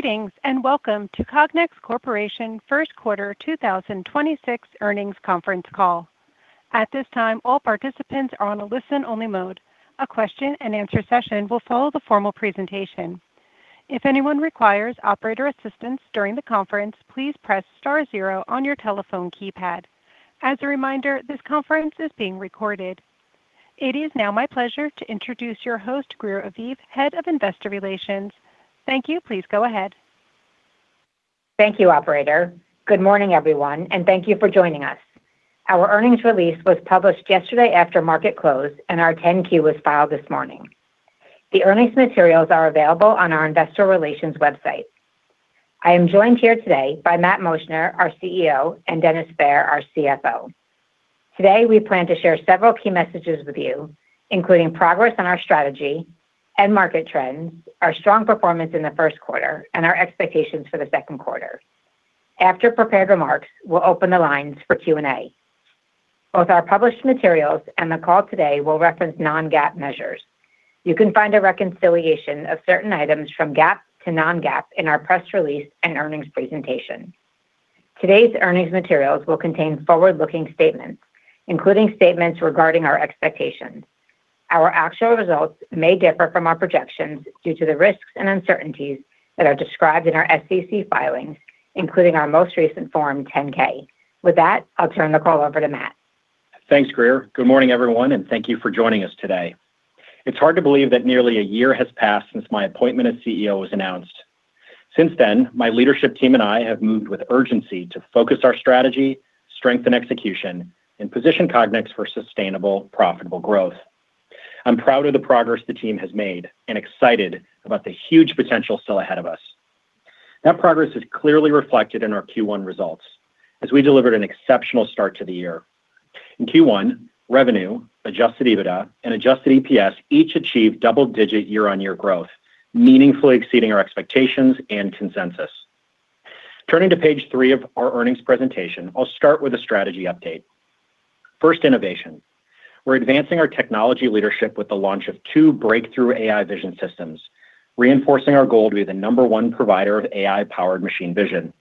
Greetings, welcome to Cognex Corporation First Quarter 2026 Earnings Conference call. At this time, all participants are on a listen-only mode. A question and answer session will follow the formal presentation. If anyone requires operator assistance during the conference, please press star 0 on your telephone keypad. As a reminder, this conference is being recorded. It is now my pleasure to introduce your host, Greer Aviv, Head of Investor Relations. Thank you. Please go ahead. Thank you, operator. Good morning, everyone, and thank you for joining us. Our earnings release was published yesterday after market close and our Form 10-Q was filed this morning. The earnings materials are available on our investor relations website. I am joined here today by Matt Moschner, our CEO, and Dennis Fehr, our CFO. Today, we plan to share several key messages with you, including progress on our strategy, end market trends, our strong performance in the first quarter, and our expectations for the second quarter. After prepared remarks, we will open the lines for Q&A. Both our published materials and the call today will reference non-GAAP measures. You can find a reconciliation of certain items from GAAP to non-GAAP in our press release and earnings presentation. Today's earnings materials will contain forward-looking statements, including statements regarding our expectations. Our actual results may differ from our projections due to the risks and uncertainties that are described in our SEC filings, including our most recent Form 10-K. With that, I'll turn the call over to Matt. Thanks, Greer. Good morning, everyone, and thank you for joining us today. It's hard to believe that nearly a year has passed since my appointment as CEO was announced. Since then, my leadership team and I have moved with urgency to focus our strategy, strengthen execution, and position Cognex for sustainable, profitable growth. I'm proud of the progress the team has made and excited about the huge potential still ahead of us. That progress is clearly reflected in our Q1 results as we delivered an exceptional start to the year. In Q1, revenue, adjusted EBITDA, and adjusted EPS each achieved double-digit year-on-year growth, meaningfully exceeding our expectations and consensus. Turning to page three of our earnings presentation, I'll start with a strategy update. First, innovation. We're advancing our technology leadership with the launch of two breakthrough AI vision systems, reinforcing our goal to be the number one provider of AI-powered machine vision.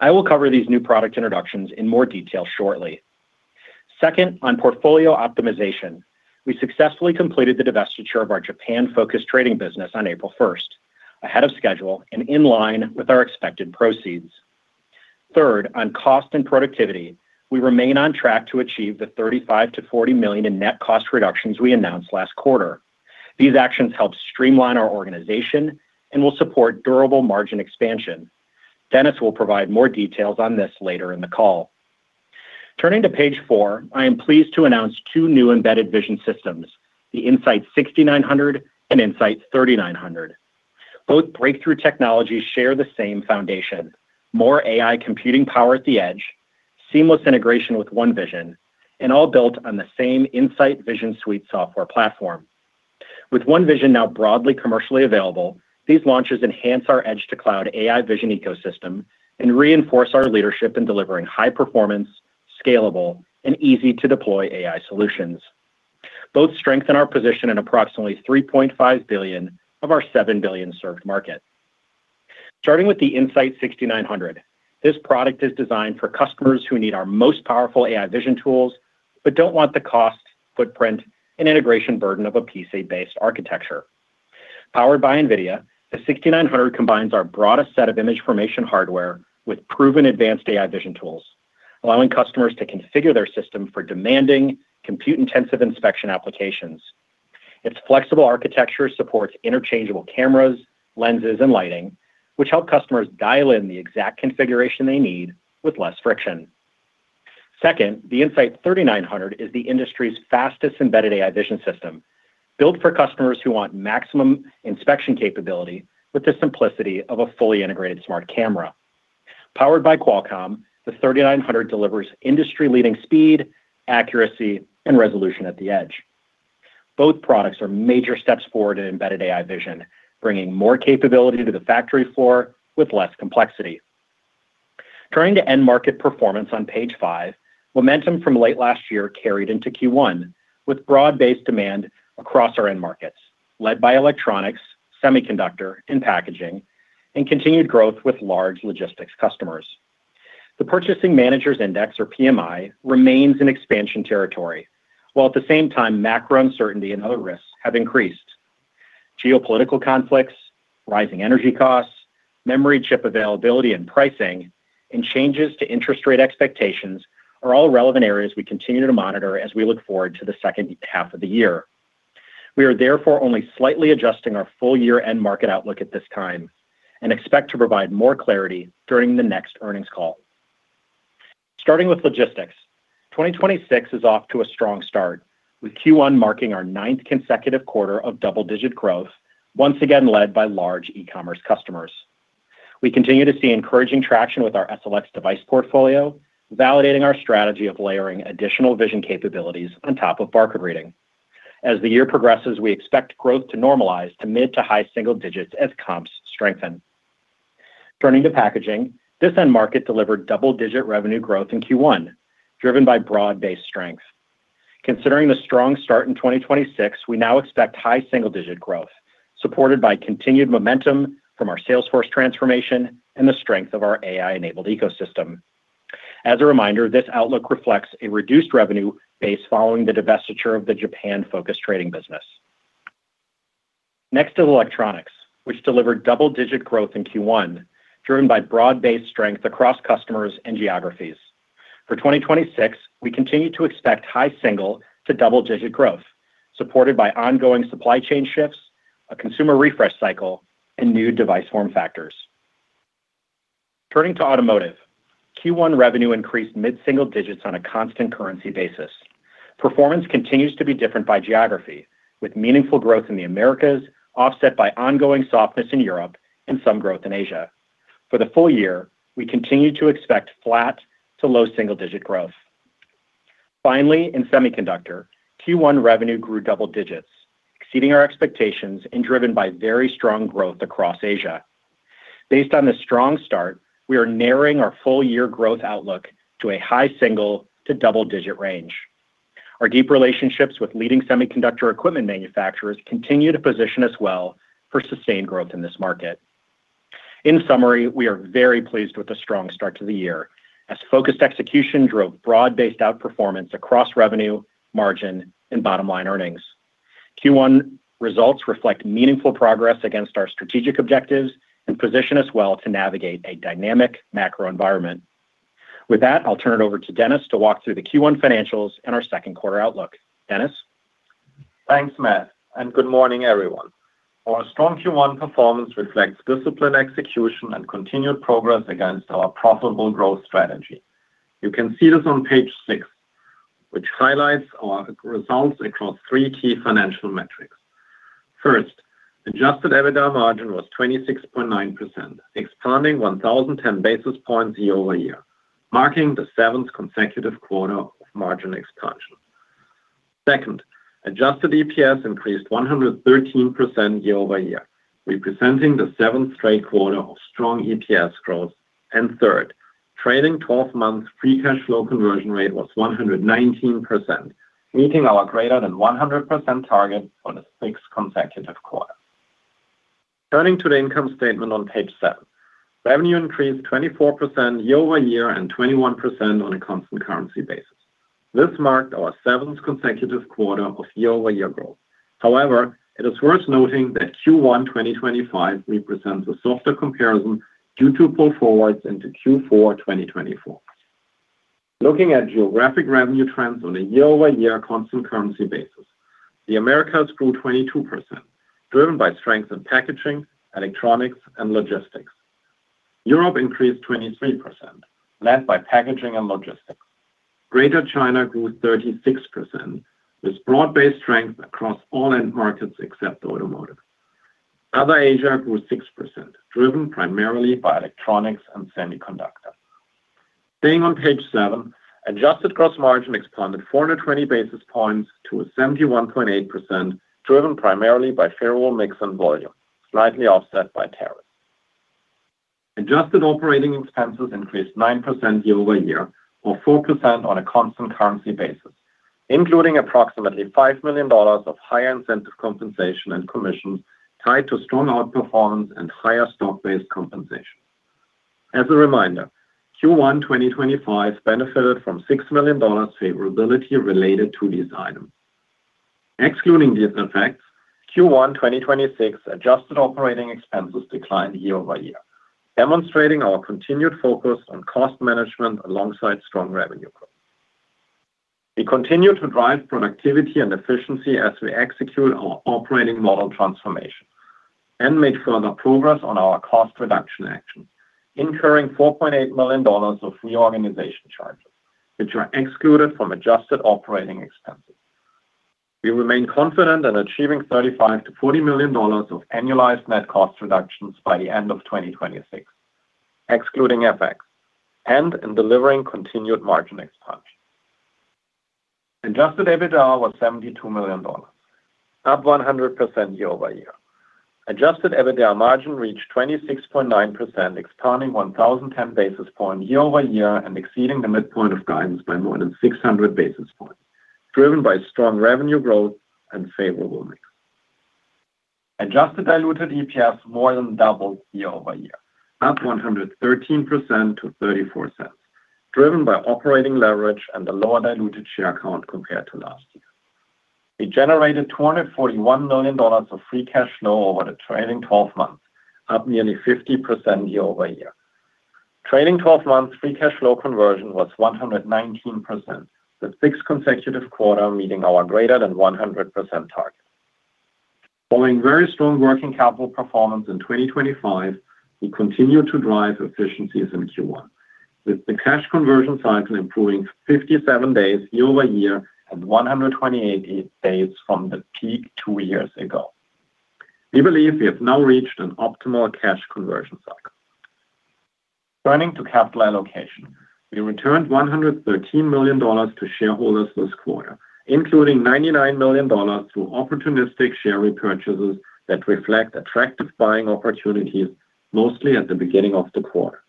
I will cover these new product introductions in more detail shortly. Second, on portfolio optimization, we successfully completed the divestiture of our Japan-focused trading business on April 1st, ahead of schedule and in line with our expected proceeds. Third, on cost and productivity, we remain on track to achieve the $35 million-$40 million in net cost reductions we announced last quarter. These actions help streamline our organization and will support durable margin expansion. Dennis will provide more details on this later in the call. Turning to page four, I am pleased to announce two new embedded vision systems, the In-Sight 6900 and In-Sight 3900. Both breakthrough technologies share the same foundation, more AI computing power at the edge, seamless integration with OneVision, and all built on the same In-Sight Vision Suite software platform. With OneVision now broadly commercially available, these launches enhance our edge to cloud AI vision ecosystem and reinforce our leadership in delivering high performance, scalable, and easy to deploy AI solutions. Both strengthen our position in approximately $3.5 billion of our $7 billion served market. Starting with the In-Sight 6900, this product is designed for customers who need our most powerful AI vision tools, but don't want the cost, footprint, and integration burden of a PC-based architecture. Powered by NVIDIA, the 6900 combines our broadest set of image formation hardware with proven advanced AI vision tools, allowing customers to configure their system for demanding, compute-intensive inspection applications. Its flexible architecture supports interchangeable cameras, lenses, and lighting, which help customers dial in the exact configuration they need with less friction. Second, the In-Sight 3900 is the industry's fastest embedded AI vision system, built for customers who want maximum inspection capability with the simplicity of a fully integrated smart camera. Powered by Qualcomm, the 3900 delivers industry-leading speed, accuracy, and resolution at the edge. Both products are major steps forward in embedded AI vision, bringing more capability to the factory floor with less complexity. Turning to end market performance on page five, momentum from late last year carried into Q1 with broad-based demand across our end markets, led by electronics, semiconductor, and packaging, and continued growth with large logistics customers. The Purchasing Managers' Index, or PMI, remains in expansion territory, while at the same time, macro uncertainty and other risks have increased. Geopolitical conflicts, rising energy costs, memory chip availability and pricing, and changes to interest rate expectations are all relevant areas we continue to monitor as we look forward to the second half of the year. We are therefore only slightly adjusting our full year end market outlook at this time and expect to provide more clarity during the next earnings call. Starting with logistics, 2026 is off to a strong start with Q1 marking our ninth consecutive quarter of double-digit growth, once again led by large e-commerce customers. We continue to see encouraging traction with our SLX device portfolio, validating our strategy of layering additional vision capabilities on top of barcode reading. As the year progresses, we expect growth to normalize to mid to high single digits as comps strengthen. Turning to packaging, this end market delivered double-digit revenue growth in Q1, driven by broad-based strength. Considering the strong start in 2026, we now expect high single-digit growth, supported by continued momentum from our sales force transformation and the strength of our AI-enabled ecosystem. As a reminder, this outlook reflects a reduced revenue base following the divestiture of the Japan-focused trading business. Next is electronics, which delivered double-digit growth in Q1, driven by broad-based strength across customers and geographies. For 2026, we continue to expect high single to double-digit growth, supported by ongoing supply chain shifts, a consumer refresh cycle, and new device form factors. Turning to automotive, Q1 revenue increased mid-single digits on a constant currency basis. Performance continues to be different by geography, with meaningful growth in the Americas, offset by ongoing softness in Europe and some growth in Asia. For the full year, we continue to expect flat to low single-digit growth. Finally, in semiconductor, Q1 revenue grew double digits, exceeding our expectations and driven by very strong growth across Asia. Based on this strong start, we are narrowing our full-year growth outlook to a high single to double-digit range. Our deep relationships with leading semiconductor equipment manufacturers continue to position us well for sustained growth in this market. In summary, we are very pleased with the strong start to the year as focused execution drove broad-based outperformance across revenue, margin, and bottom-line earnings. Q1 results reflect meaningful progress against our strategic objectives and position us well to navigate a dynamic macro environment. With that, I'll turn it over to Dennis Fehr to walk through the Q1 financials and our 2nd quarter outlook. Dennis Fehr? Thanks, Matt. Good morning, everyone. Our strong Q1 performance reflects disciplined execution and continued progress against our profitable growth strategy. You can see this on page six, which highlights our results across three key financial metrics. First, adjusted EBITDA margin was 26.9%, expanding 1,010 basis points year-over-year, marking the seventh consecutive quarter of margin expansion. Second, adjusted EPS increased 113% year-over-year, representing the seventh straight quarter of strong EPS growth. Third, trailing 12-month free cash flow conversion rate was 119%, meeting our greater than 100% target for the sixth consecutive quarter. Turning to the income statement on page seven. Revenue increased 24% year-over-year and 21% on a constant currency basis. This marked our seventh consecutive quarter of year-over-year growth. However, it is worth noting that Q1 2025 represents a softer comparison due to pull forwards into Q4 2024. Looking at geographic revenue trends on a year-over-year constant currency basis, the Americas grew 22%, driven by strength in packaging, electronics, and logistics. Europe increased 23%, led by packaging and logistics. Greater China grew 36%, with broad-based strength across all end markets except automotive. Other Asia grew 6%, driven primarily by electronics and semiconductor. Staying on page seven, adjusted gross margin expanded 420 basis points to 71.8%, driven primarily by favorable mix and volume, slightly offset by tariff. Adjusted operating expenses increased 9% year-over-year, or 4% on a constant currency basis, including approximately $5 million of higher incentive compensation and commissions tied to strong outperformance and higher stock-based compensation. As a reminder, Q1 2025 benefited from $6 million favorability related to these items. Excluding these effects, Q1 2026 adjusted operating expenses declined year-over-year, demonstrating our continued focus on cost management alongside strong revenue growth. We continue to drive productivity and efficiency as we execute our operating model transformation and made further progress on our cost reduction action, incurring $4.8 million of reorganization charges, which are excluded from adjusted operating expenses. We remain confident in achieving $35 million-$40 million of annualized net cost reductions by the end of 2026, excluding FX, and in delivering continued margin expansion. Adjusted EBITDA was $72 million, up 100% year-over-year. adjusted EBITDA margin reached 26.9%, expanding 1,010 basis points year-over-year and exceeding the midpoint of guidance by more than 600 basis points, driven by strong revenue growth and favorable mix. adjusted diluted EPS more than doubled year-over-year, up 113% to $0.34, driven by operating leverage and the lower diluted share count compared to last year. We generated $241 million of free cash flow over the trailing 12 months, up nearly 50% year-over-year. Trailing 12-month free cash flow conversion was 119%, the sixth consecutive quarter meeting our greater than 100% target. Following very strong working capital performance in 2025, we continued to drive efficiencies in Q1, with the cash conversion cycle improving 57 days year-over-year and 128 days from the peak two years ago. We believe we have now reached an optimal cash conversion cycle. Turning to capital allocation, we returned $113 million to shareholders this quarter, including $99 million through opportunistic share repurchases that reflect attractive buying opportunities mostly at the beginning of the quarter.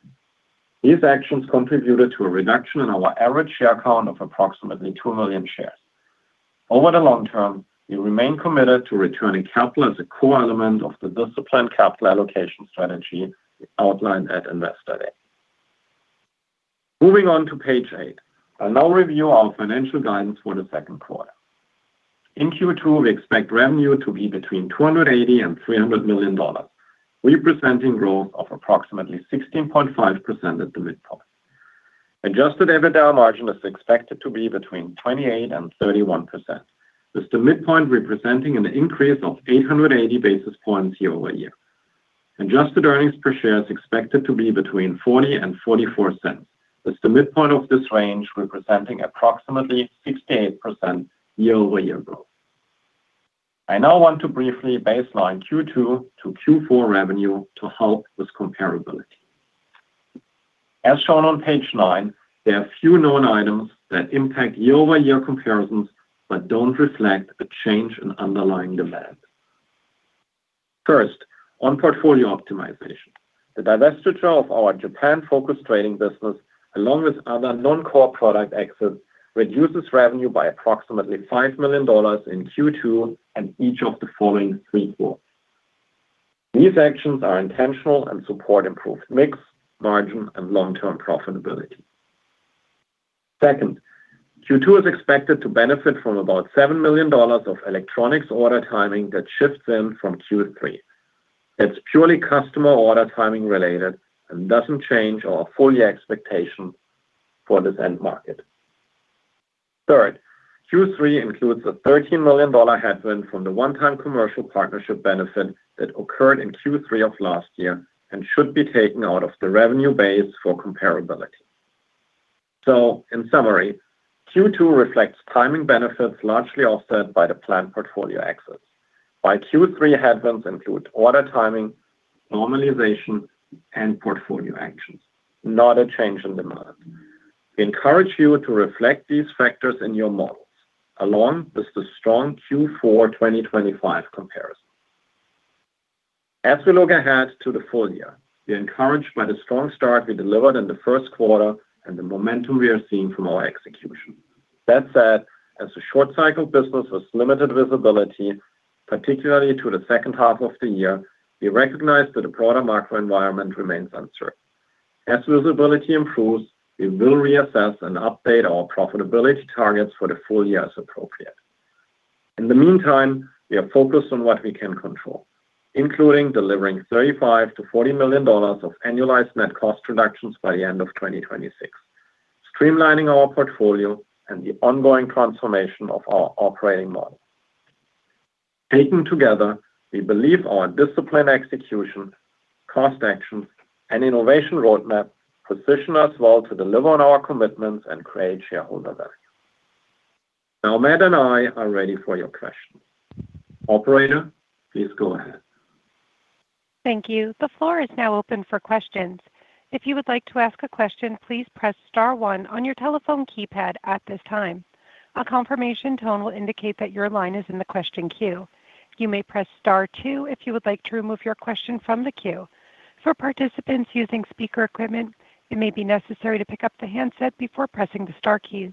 These actions contributed to a reduction in our average share count of approximately 2 million shares. Over the long term, we remain committed to returning capital as a core element of the disciplined capital allocation strategy outlined at Investor Day. Moving on to page eight. I'll now review our financial guidance for the second quarter. In Q2, we expect revenue to be between $280 million and $300 million, representing growth of approximately 16.5% at the midpoint. Adjusted EBITDA margin is expected to be between 28% and 31%, with the midpoint representing an increase of 880 basis points year-over-year. Adjusted earnings per share is expected to be between $0.40 and $0.44, with the midpoint of this range representing approximately 68% year-over-year growth. I now want to briefly baseline Q2 to Q4 revenue to help with comparability. As shown on page nine, there are few known items that impact year-over-year comparisons but don't reflect a change in underlying demand. First, on portfolio optimization. The divestiture of our Japan-focused trading business, along with other non-core product exits, reduces revenue by approximately $5 million in Q2 and each of the following three quarters. These actions are intentional and support improved mix, margin, and long-term profitability. Second, Q2 is expected to benefit from about $7 million of electronics order timing that shifts in from Q3. It's purely customer order timing related and doesn't change our full year expectation for this end market. Third, Q3 includes a $13 million headwind from the one-time commercial partnership benefit that occurred in Q3 of last year and should be taken out of the revenue base for comparability. In summary, Q2 reflects timing benefits largely offset by the planned portfolio exits, while Q3 headwinds include order timing, normalization, and portfolio actions, not a change in demand. We encourage you to reflect these factors in your models along with the strong Q4 2025 comparison. As we look ahead to the full year, we are encouraged by the strong start we delivered in the first quarter and the momentum we are seeing from our execution. That said, as a short-cycle business with limited visibility, particularly to the second half of the year, we recognize that the broader macro environment remains uncertain. As visibility improves, we will reassess and update our profitability targets for the full year as appropriate. In the meantime, we are focused on what we can control, including delivering $35 million-$40 million of annualized net cost reductions by the end of 2026, streamlining our portfolio, and the ongoing transformation of our operating model. Taken together, we believe our disciplined execution, cost actions, and innovation roadmap position us well to deliver on our commitments and create shareholder value. Now Matt and I are ready for your questions. Operator, please go ahead. Thank you. The floor is now open for questions. If you would like to ask a question, please press star one on your telephone keypad at this time. A confirmation tone will indicate that your line is in the question queue. You may press star two if you would like to remove your question from the queue. For participants using speaker equipment, it may be necessary to pick up the handset before pressing the star keys.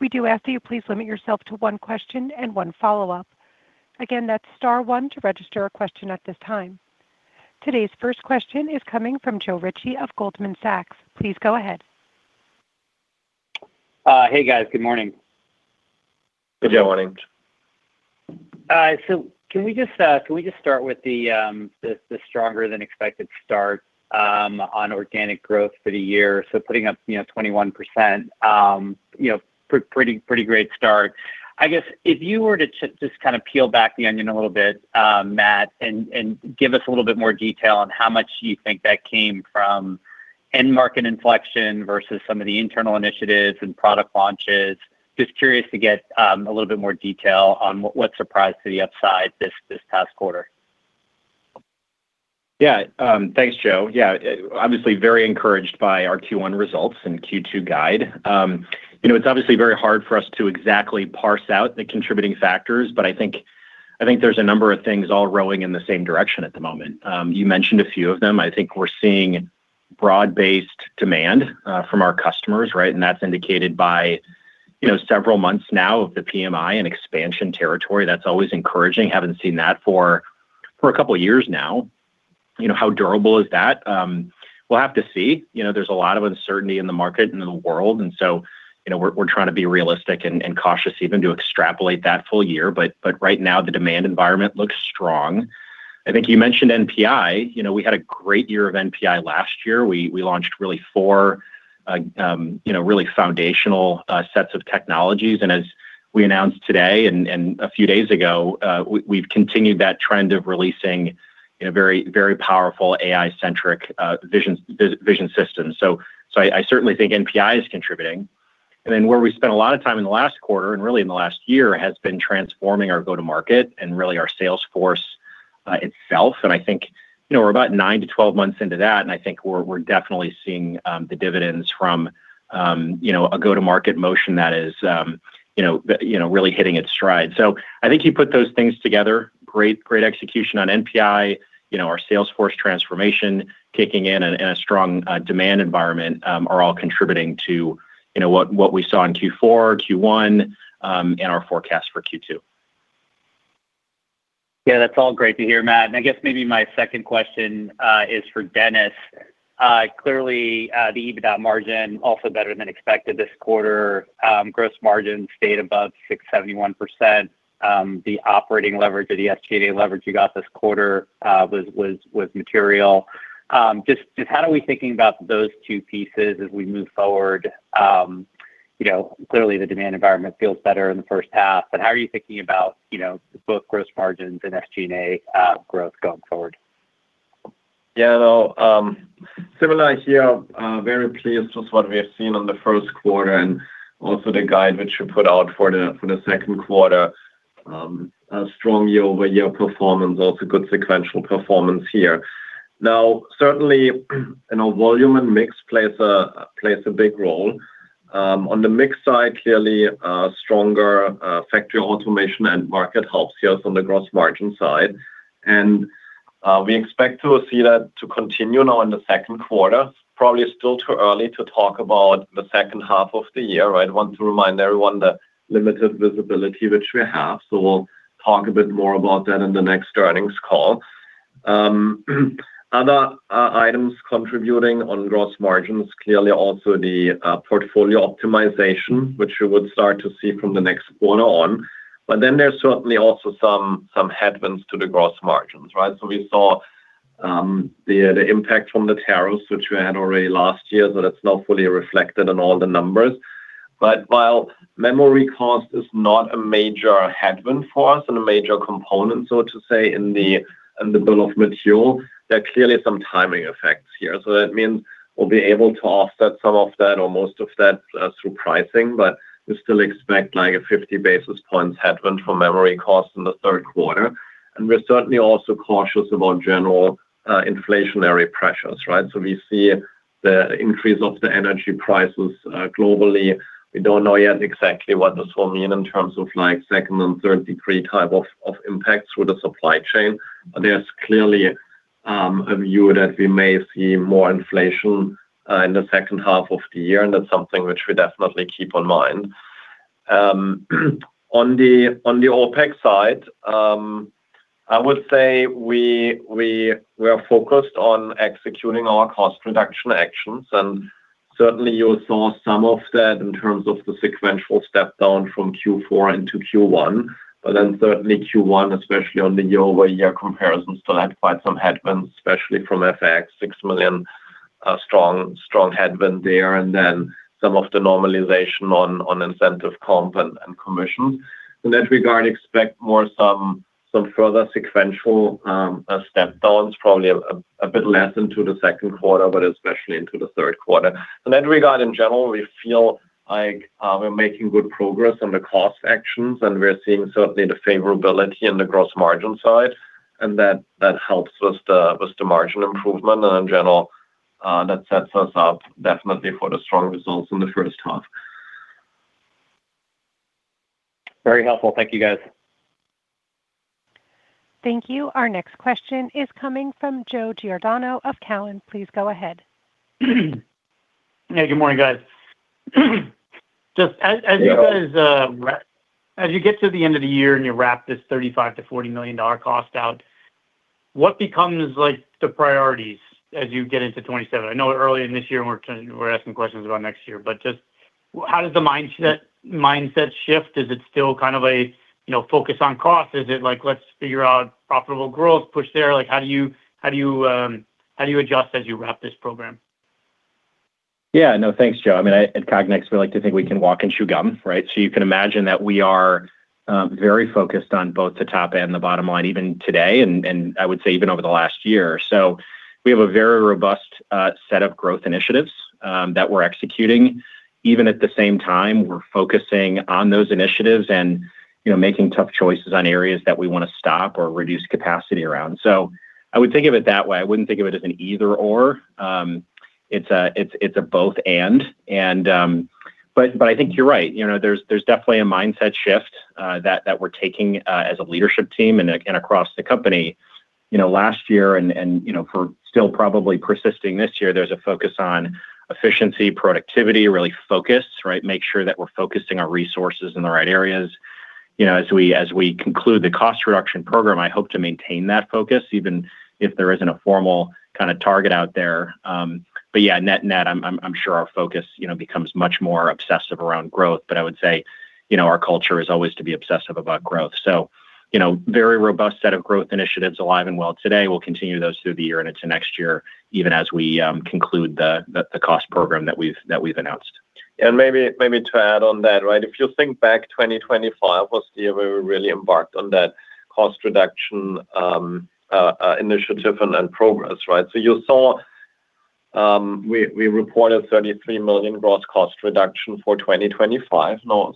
We do ask that you please limit yourself to one question and one follow-up. Again, that's star 1 to register a question at this time. Today's first question is coming from Joe Ritchie of Goldman Sachs. Please go ahead. Hey, guys. Good morning. Good morning. Can we just start with the stronger than expected start on organic growth for the year? Putting up, you know, 21%. You know, pretty great start. I guess if you were to just kind of peel back the onion a little bit, Matt, and give us a little bit more detail on how much do you think that came from end market inflection versus some of the internal initiatives and product launches. Just curious to get a little bit more detail on what surprised to the upside this past quarter. Thanks, Joe. Obviously very encouraged by our Q1 results and Q2 guide. You know, it's obviously very hard for us to exactly parse out the contributing factors, but I think there's a number of things all rowing in the same direction at the moment. You mentioned a few of them. I think we're seeing broad-based demand from our customers, right? That's indicated by, you know, several months now of the PMI in expansion territory. That's always encouraging. Haven't seen that for a two years now. You know, how durable is that? We'll have to see. You know, there's a lot of uncertainty in the market and in the world, you know, we're trying to be realistic and cautious even to extrapolate that full year, but right now the demand environment looks strong. I think you mentioned NPI. You know, we had a great year of NPI last year. We launched really four, you know, really foundational sets of technologies. As we announced today and a few days ago, we've continued that trend of releasing, you know, very, very powerful AI-centric vision systems. I certainly think NPI is contributing. Where we spent a lot of time in the last quarter, and really in the last year, has been transforming our go-to-market and really our sales force itself, and I think, you know, we're about 9-12 months into that, and I think we're definitely seeing the dividends from, you know, a go-to-market motion that is, you know, really hitting its stride. I think you put those things together, great execution on NPI, you know, our sales force transformation kicking in and a strong demand environment, are all contributing to, you know, what we saw in Q4, Q1 and our forecast for Q2. Yeah, that's all great to hear, Matt. I guess maybe my second question is for Dennis. Clearly, the EBITDA margin also better than expected this quarter. Gross margin stayed above 671%. The operating leverage or the SG&A leverage you got this quarter was material. Just how are we thinking about those two pieces as we move forward? You know, clearly the demand environment feels better in the first half, how are you thinking about, you know, both gross margins and SG&A growth going forward? Yeah, no, similar here, very pleased with what we have seen on the first quarter and also the guide which we put out for the second quarter. A strong year-over-year performance, also good sequential performance here. Now, certainly, you know, volume and mix plays a big role. On the mix side, clearly, stronger factory automation end market helps us on the gross margin side. We expect to see that to continue now in the second quarter. Probably still too early to talk about the second half of the year. I'd want to remind everyone the limited visibility which we have, so we'll talk a bit more about that in the next earnings call. Other items contributing on gross margins, clearly also the portfolio optimization, which you would start to see from the next quarter on. There's certainly also some headwinds to the gross margins, right? We saw the impact from the tariffs, which we had already last year, it's not fully reflected in all the numbers. While memory cost is not a major headwind for us and a major component, so to say, in the bill of material, there are clearly some timing effects here. That means we'll be able to offset some of that or most of that through pricing, we still expect like a 50 basis points headwind for memory costs in the third quarter. We're certainly also cautious about general inflationary pressures, right? We see the increase of the energy prices globally. We don't know yet exactly what this will mean in terms of like second and third degree type of impacts with the supply chain. There's clearly a view that we may see more inflation in the second half of the year, and that's something which we definitely keep in mind. On the OpEx side, I would say we are focused on executing our cost reduction actions. Certainly you saw some of that in terms of the sequential step down from Q4 into Q1. Certainly Q1, especially on the year-over-year comparison, still had quite some headwinds, especially from FX, $6 million, strong headwind there, and then some of the normalization on incentive comp and commission. In that regard, expect more some further sequential step downs, probably a bit less into the second quarter, but especially into the third quarter. In that regard, in general, we feel like we're making good progress on the cost actions, and we're seeing certainly the favorability in the gross margin side, and that helps with the margin improvement. In general, that sets us up definitely for the strong results in the first half. Very helpful. Thank you, guys. Thank you. Our next question is coming from Joe Giordano of Cowen. Please go ahead. Yeah, good morning, guys. Just as you guys. Yeah. As you get to the end of the year and you wrap this $35 million-$40 million cost out, what becomes, like, the priorities as you get into 2027? I know earlier in this year we're asking questions about next year, just how does the mindset shift? Is it still kind of a, you know, focus on cost? Is it like, let's figure out profitable growth, push there? How do you adjust as you wrap this program? No, thanks, Joe. At Cognex, we like to think we can walk and chew gum, right? You can imagine that we are very focused on both the top and the bottom line even today, and I would say even over the last year. We have a very robust set of growth initiatives that we're executing. Even at the same time, we're focusing on those initiatives and, you know, making tough choices on areas that we want to stop or reduce capacity around. I would think of it that way. I wouldn't think of it as an either/or. It's a both/and. I think you're right. You know, there's definitely a mindset shift that we're taking as a leadership team and across the company. You know, last year and, you know, for still probably persisting this year, there's a focus on efficiency, productivity, really focus, right. Make sure that we're focusing our resources in the right areas. You know, as we conclude the cost reduction program, I hope to maintain that focus even if there isn't a formal kind of target out there. Yeah, net, I'm sure our focus, you know, becomes much more obsessive around growth. I would say, you know, our culture is always to be obsessive about growth. You know, very robust set of growth initiatives alive and well today. We'll continue those through the year and into next year, even as we conclude the cost program that we've announced. Maybe, maybe to add on that, right. If you think back, 2025 was the year we really embarked on that cost reduction initiative and progress, right. We reported $33 million gross cost reduction for 2025. No.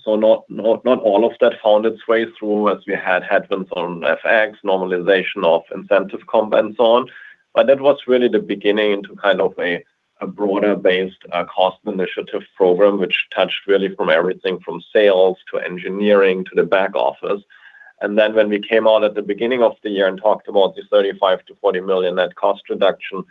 Not all of that found its way through as we had headwinds on FX, normalization of incentive comp and so on. That was really the beginning to kind of a broader-based cost initiative program, which touched really from everything from sales to engineering to the back office. When we came out at the beginning of the year and talked about the $35 million-$40 million net cost reduction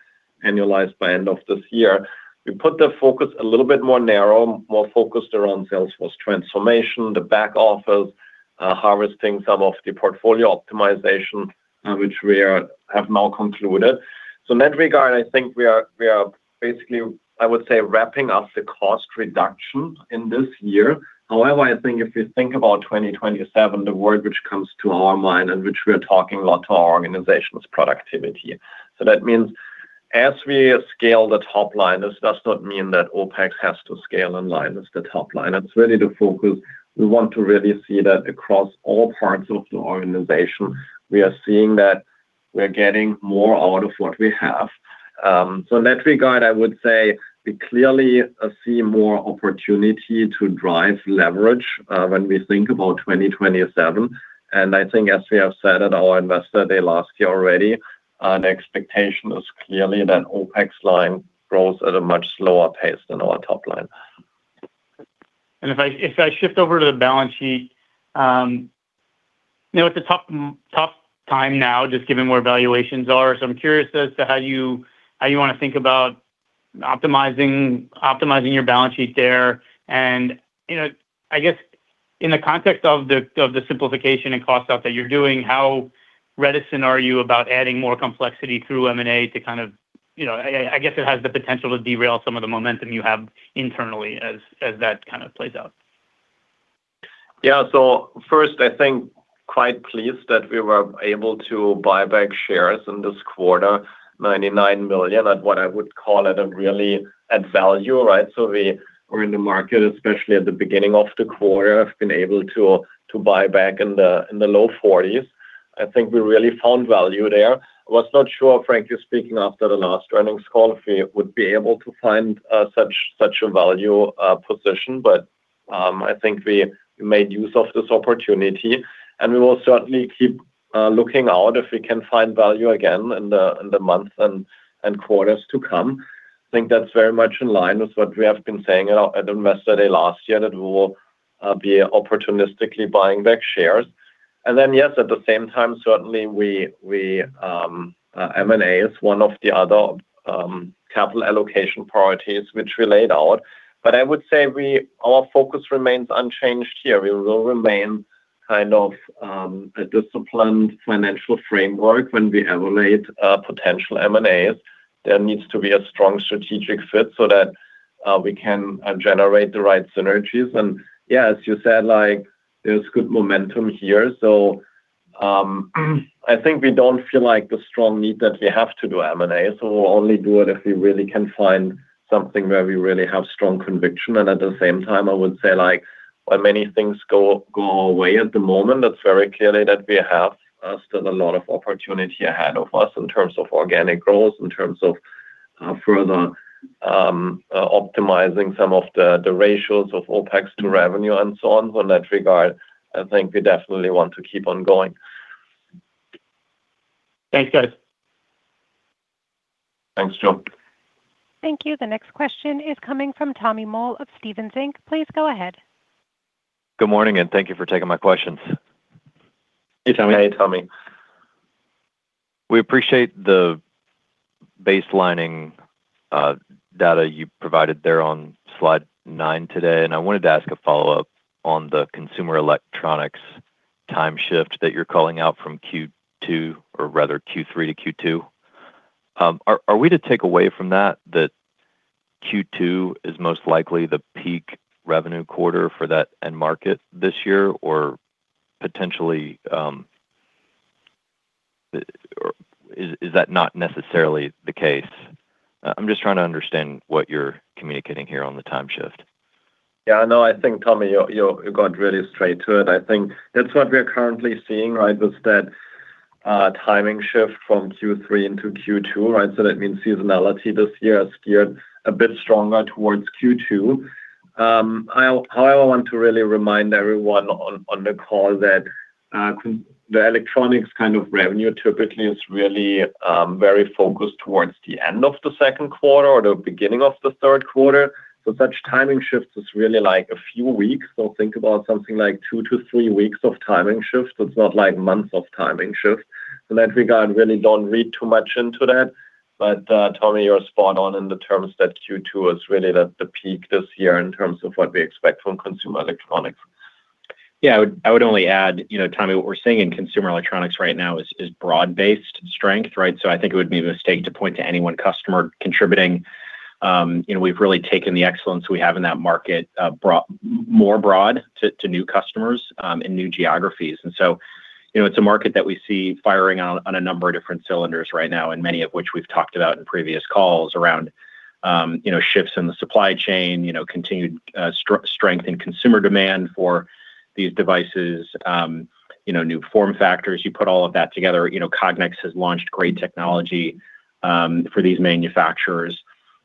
annualized by end of this year, we put the focus a little bit more narrow, more focused around Salesforce transformation, the back office, harvesting some of the portfolio optimization, which we have now concluded. In that regard, I think we are basically, I would say, wrapping up the cost reduction in this year. However, I think if you think about 2027, the word which comes to our mind and which we are talking a lot to our organization is productivity. That means as we scale the top line, this does not mean that OpEx has to scale in line with the top line. It's really the focus. We want to really see that across all parts of the organization. We are seeing that we're getting more out of what we have. So in that regard, I would say we clearly see more opportunity to drive leverage when we think about 2027. I think as we have said at our Investor Day last year already, an expectation is clearly that OpEx line grows at a much slower pace than our top line. If I shift over to the balance sheet, you know, it's a tough time now just given where valuations are. I'm curious as to how you wanna think about optimizing your balance sheet there. You know, I guess in the context of the simplification and cost out that you're doing, how reticent are you about adding more complexity through M&A to kind of, I guess it has the potential to derail some of the momentum you have internally as that kind of plays out. First, I think quite pleased that we were able to buy back shares in this quarter, $99 million at what I would call at a really add value, right? We were in the market, especially at the beginning of the quarter, have been able to buy back in the low $40s. I think we really found value there. I was not sure, frankly speaking, after the last earnings call if we would be able to find such a value position. I think we made use of this opportunity, and we will certainly keep looking out if we can find value again in the months and quarters to come. I think that's very much in line with what we have been saying at Investor Day last year, that we will be opportunistically buying back shares. Yes, at the same time, certainly M&A is one of the other capital allocation priorities which we laid out. I would say our focus remains unchanged here. We will remain kind of a disciplined financial framework when we evaluate potential M&As. There needs to be a strong strategic fit so that we can generate the right synergies. Yeah, as you said, like, there's good momentum here. I think we don't feel like the strong need that we have to do M&A. We'll only do it if we really can find something where we really have strong conviction. At the same time, I would say, like, while many things go our way at the moment, that's very clearly that we have still a lot of opportunity ahead of us in terms of organic growth, in terms of further optimizing some of the ratios of OpEx to revenue and so on. In that regard, I think we definitely want to keep on going. Thanks, guys. Thanks, Joe. Thank you. The next question is coming from Tommy Moll of Stephens Inc. Please go ahead. Good morning, and thank you for taking my questions. Hey, Tommy. Hey, Tommy. We appreciate the baselining data you provided there on slide nine today. I wanted to ask a follow-up on the consumer electronics time shift that you're calling out from Q2 or rather Q3 to Q2. Are we to take away from that Q2 is most likely the peak revenue quarter for that end market this year or potentially, or is that not necessarily the case? I'm just trying to understand what you're communicating here on the time shift. No, I think, Tommy, you got really straight to it. I think that's what we are currently seeing, right? Is that timing shift from Q3 into Q2, right? That means seasonality this year has geared a bit stronger towards Q2. However, I want to really remind everyone on the call that the electronics kind of revenue typically is really very focused towards the end of the second quarter or the beginning of the third quarter. Such timing shifts is really like a few weeks. Think about something like 2 to 3 weeks of timing shift. It's not like months of timing shift. In that regard, really don't read too much into that. Tommy, you're spot on in the terms that Q2 is really the peak this year in terms of what we expect from consumer electronics. Yeah. I would only add, you know, Tommy, what we're seeing in consumer electronics right now is broad-based strength, right? I think it would be a mistake to point to any one customer contributing. You know, we've really taken the excellence we have in that market, more broad to new customers and new geographies. You know, it's a market that we see firing on a number of different cylinders right now, and many of which we've talked about in previous calls around, you know, shifts in the supply chain, you know, continued strength in consumer demand for these devices, you know, new form factors, you put all of that together, you know, Cognex has launched great technology for these manufacturers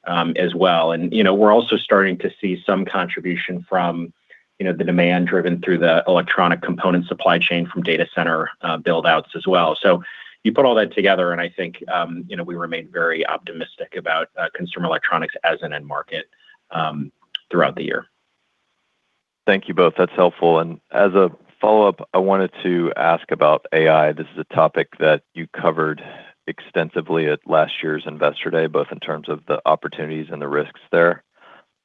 as well. You know, we're also starting to see some contribution from, you know, the demand driven through the electronic component supply chain from data center build-outs as well. You put all that together, and I think, you know, we remain very optimistic about consumer electronics as an end market throughout the year. Thank you both. That's helpful. As a follow-up, I wanted to ask about AI. This is a topic that you covered extensively at last year's Investor Day, both in terms of the opportunities and the risks there.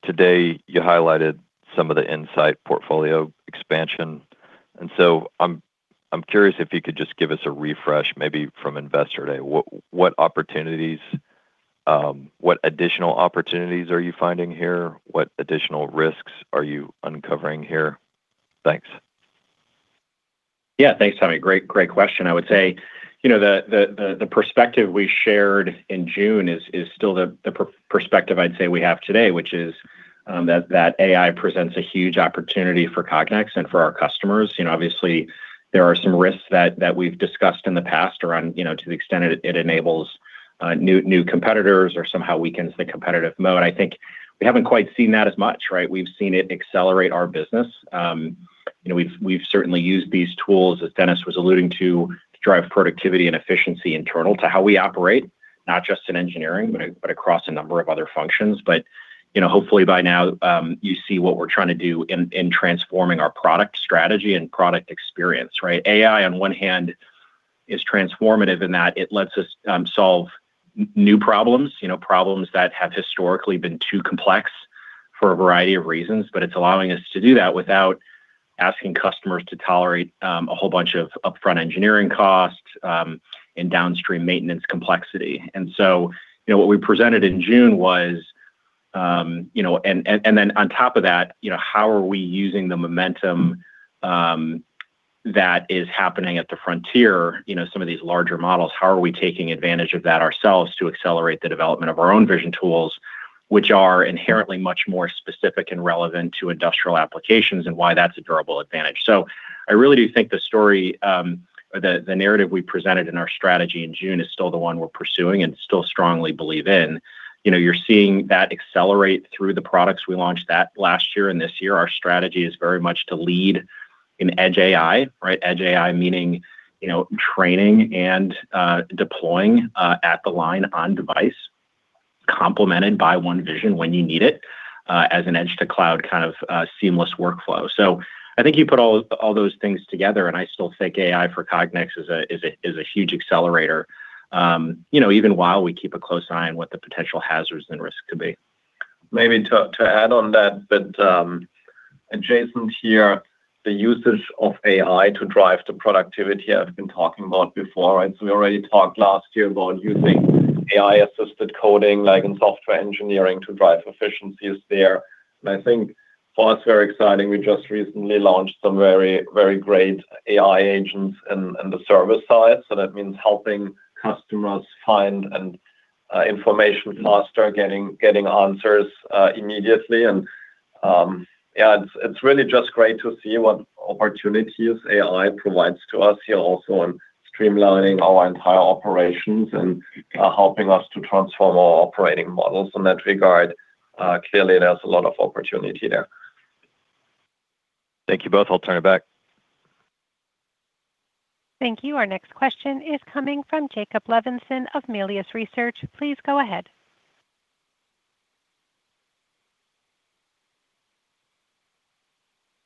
Today, you highlighted some of the In-Sight portfolio expansion, and so I'm curious if you could just give us a refresh maybe from Investor Day. What opportunities, what additional opportunities are you finding here? What additional risks are you uncovering here? Thanks. Yeah. Thanks, Tommy. Great question. I would say, the perspective we shared in June is still the perspective we have today, which is that AI presents a huge opportunity for Cognex and for our customers. Obviously there are some risks that we've discussed in the past around to the extent it enables new competitors or somehow weakens the competitive mode. I think we haven't quite seen that as much, right? We've seen it accelerate our business. We've certainly used these tools, as Dennis was alluding to drive productivity and efficiency internal to how we operate, not just in engineering, but across a number of other functions. You know, hopefully by now, you see what we're trying to do in transforming our product strategy and product experience, right? AI on one hand is transformative in that it lets us solve new problems. You know, problems that have historically been too complex for a variety of reasons, but it's allowing us to do that without asking customers to tolerate a whole bunch of upfront engineering costs and downstream maintenance complexity. What we presented in June was, and then on top of that, how are we using the momentum that is happening at the frontier, some of these larger models, how are we taking advantage of that ourselves to accelerate the development of our own vision tools, which are inherently much more specific and relevant to industrial applications, and why that's a durable advantage. I really do think the story, the narrative we presented in our strategy in June is still the one we're pursuing and still strongly believe in. You know, you're seeing that accelerate through the products we launched that last year and this year. Our strategy is very much to lead in edge AI, right? Edge AI meaning, you know, training and deploying at the line on device complemented by OneVision when you need it, as an edge to cloud kind of seamless workflow. I think you put all those things together, and I still think AI for Cognex is a huge accelerator, you know, even while we keep a close eye on what the potential hazards and risks could be. Maybe to add on that, but adjacent here, the usage of AI to drive the productivity I've been talking about before. We already talked last year about using AI-assisted coding, like in software engineering, to drive efficiencies there. I think for us, very exciting, we just recently launched some very, very great AI agents in the service side, so that means helping customers find information faster, getting answers immediately. It's really just great to see what opportunities AI provides to us here also in streamlining our entire operations and helping us to transform our operating models in that regard. Clearly there's a lot of opportunity there. Thank you both. I'll turn it back. Thank you. Our next question is coming from Jake Levinson of Melius Research. Please go ahead.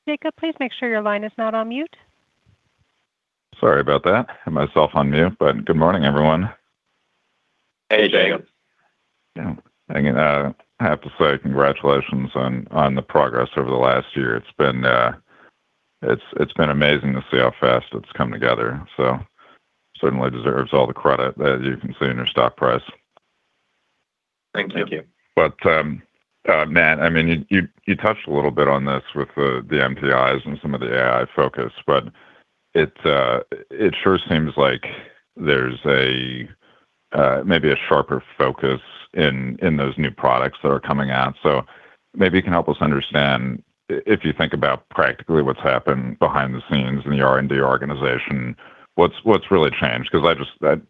Jake, please make sure your line is not on mute. Sorry about that. I had myself on mute. Good morning, everyone. Hey, Jake. Hey. Yeah. I have to say congratulations on the progress over the last year. It's been amazing to see how fast it's come together. Certainly deserves all the credit as you can see in your stock price. Thank you. Thank you. Matt, I mean, you touched a little bit on this with the NPIs and some of the AI focus, but it sure seems like there's maybe a sharper focus in those new products that are coming out. Maybe you can help us understand, if you think about practically what's happened behind the scenes in the R&D organization, what's really changed? I just,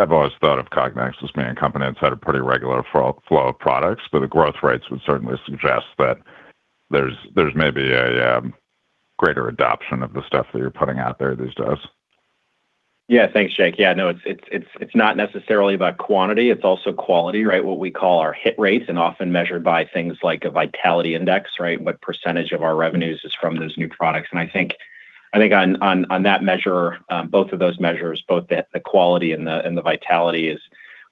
I've always thought of Cognex as being a company that's had a pretty regular flow of products, but the growth rates would certainly suggest that there's maybe a greater adoption of the stuff that you're putting out there these days. Thanks, Jake. It's not necessarily about quantity. It's also quality, right? What we call our hit rates, often measured by things like a vitality index, right? What % of our revenues is from those new products. I think on that measure, both of those measures, both the quality and the vitality,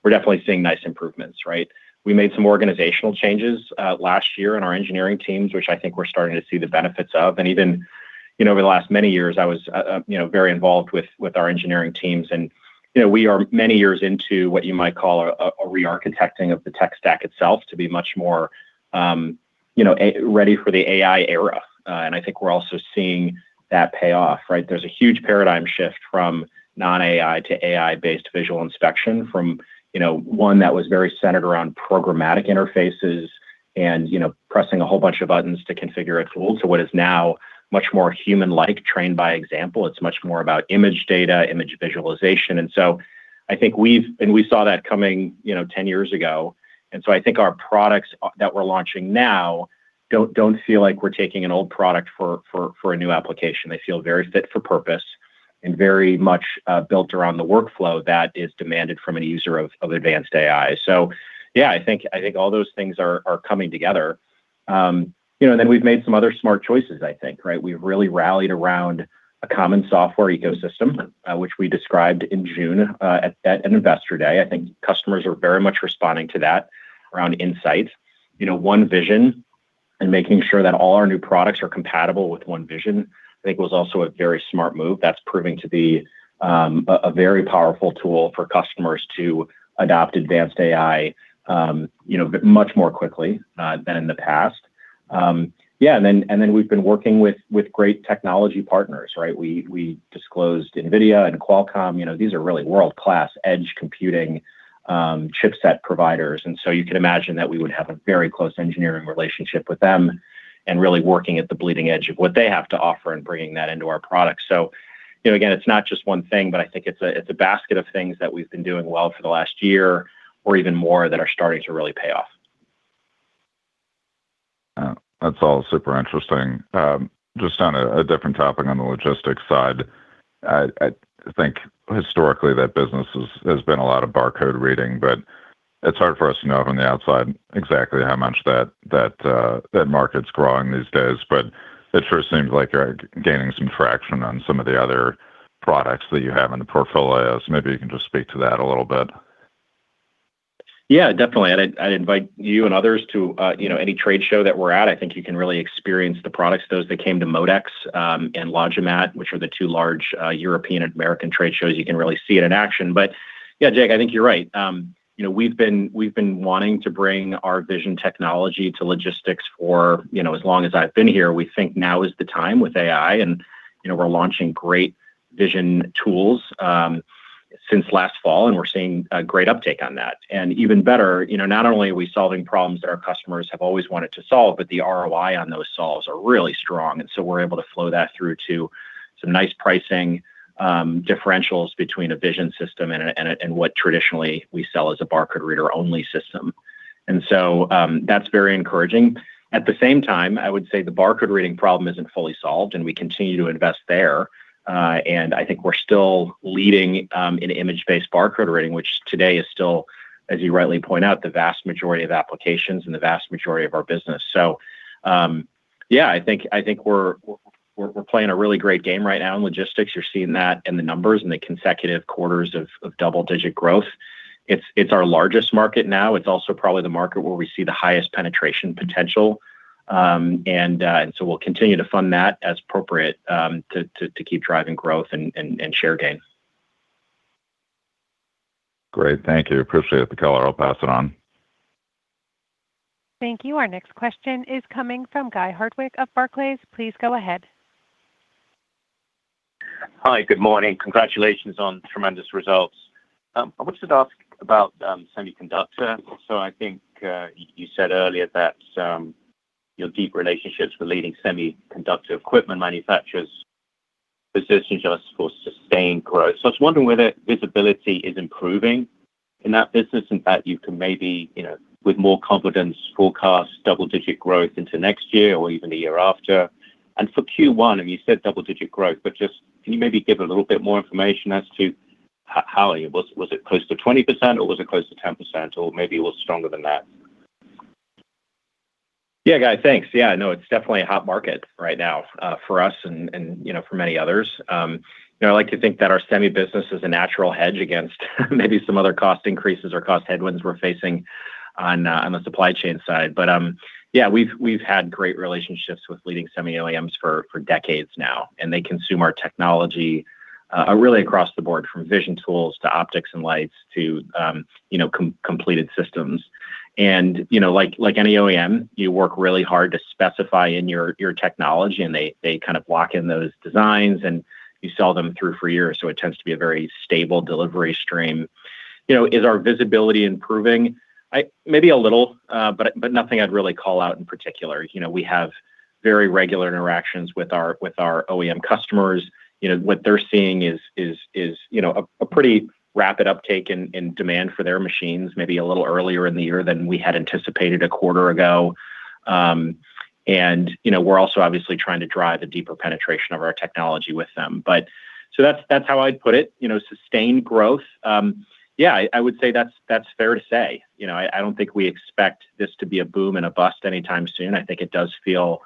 we're definitely seeing nice improvements, right? We made some organizational changes last year in our engineering teams, which I think we're starting to see the benefits of. Even, you know, over the last many years, I was, you know, very involved with our engineering teams and, you know, we are many years into what you might call a re-architecting of the tech stack itself to be much more, you know, ready for the AI era. I think we're also seeing that pay off, right? There's a huge paradigm shift from non-AI to AI-based visual inspection from, you know, one that was very centered around programmatic interfaces, and, you know, pressing a whole bunch of buttons to configure a tool to what is now much more human-like, trained by example. It's much more about image data, image visualization. We saw that coming, you know, 10 years ago. I think our products that we're launching now don't feel like we're taking an old product for a new application. They feel very fit for purpose and very much built around the workflow that is demanded from a user of advanced AI. I think all those things are coming together. You know, we've made some other smart choices, I think, right? We've really rallied around a common software ecosystem, which we described in June at an Investor Day. I think customers are very much responding to that around In-Sight. You know, OneVision and making sure that all our new products are compatible with OneVision, I think was also a very smart move that's proving to be a very powerful tool for customers to adopt advanced AI, you know, much more quickly than in the past. Yeah, then we've been working with great technology partners, right? We disclosed NVIDIA and Qualcomm. You know, these are really world-class edge computing chipset providers. You can imagine that we would have a very close engineering relationship with them and really working at the bleeding edge of what they have to offer and bringing that into our product. You know, again, it's not just one thing, but I think it's a, it's a basket of things that we've been doing well for the last year or even more that are starting to really pay off. That's all super interesting. Just on a different topic on the logistics side, I think historically that business has been a lot of barcode reading, but it's hard for us to know from the outside exactly how much that market's growing these days. It sure seems like you're gaining some traction on some of the other products that you have in the portfolio. Maybe you can just speak to that a little bit. Yeah, definitely. I'd invite you and others to, you know, any trade show that we're at, I think you can really experience the products. Those that came to MODEX and LogiMAT, which are the two large European and American trade shows, you can really see it in action. Yeah, Jake, I think you're right. You know, we've been wanting to bring our vision technology to logistics for, you know, as long as I've been here. We think now is the time with AI, and, you know, we're launching great vision tools since last fall, and we're seeing a great uptake on that. Even better, you know, not only are we solving problems that our customers have always wanted to solve, but the ROI on those solves are really strong, so we're able to flow that through to some nice pricing differentials between a vision system and what traditionally we sell as a barcode reader only system. That's very encouraging. At the same time, I would say the barcode reading problem isn't fully solved, and we continue to invest there. I think we're still leading in image-based barcode reading, which today is still, as you rightly point out, the vast majority of applications and the vast majority of our business. Yeah, I think we're playing a really great game right now in logistics. You're seeing that in the numbers and the consecutive quarters of double-digit growth. It's our largest market now. It's also probably the market where we see the highest penetration potential. We'll continue to fund that as appropriate to keep driving growth and share gains. Great. Thank you. Appreciate the color. I'll pass it on. Thank you. Our next question is coming from Guy Hardwick of Barclays. Please go ahead. Hi. Good morning. Congratulations on tremendous results. I wanted to ask about semiconductor. I think you said earlier that your deep relationships with leading semiconductor equipment manufacturers positions us for sustained growth. I was wondering whether visibility is improving in that business and that you can maybe, you know, with more confidence forecast double-digit growth into next year or even the year after. For Q1, I mean, you said double-digit growth, but just can you maybe give a little bit more information as to how it was close to 20%, or was it close to 10%, or maybe it was stronger than that? Yeah, Guy. Thanks. Yeah, no, it's definitely a hot market right now, for us and, you know, for many others. You know, I like to think that our semi business is a natural hedge against maybe some other cost increases or cost headwinds we're facing on the supply chain side. Yeah, we've had great relationships with leading semi OEMs for decades now, and they consume our technology, really across the board, from vision tools to optics and lights to, you know, completed systems. You know, like any OEM, you work really hard to specify in your technology, and they kind of lock in those designs, and you sell them through for years. It tends to be a very stable delivery stream. You know, is our visibility improving? Maybe a little, but nothing I'd really call out in particular. You know, we have very regular interactions with our OEM customers. You know, what they're seeing is, you know, a pretty rapid uptake in demand for their machines, maybe a little earlier in the year than we had anticipated a quarter ago. You know, we're also obviously trying to drive a deeper penetration of our technology with them. That's how I'd put it. You know, sustained growth, yeah, I would say that's fair to say. You know, I don't think we expect this to be a boom and a bust anytime soon. I think it does feel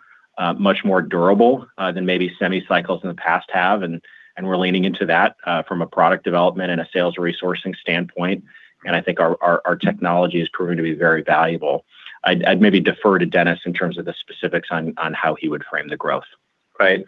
much more durable than maybe semi cycles in the past have. We're leaning into that from a product development and a sales resourcing standpoint. I think our technology is proving to be very valuable. I'd maybe defer to Dennis in terms of the specifics on how he would frame the growth. Hey,